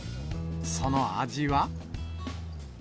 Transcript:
その味は。